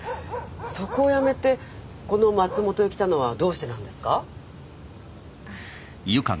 そこを辞めてこの松本へ来たのはどうしてなんですか？